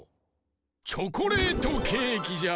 チョコレートケーキじゃ。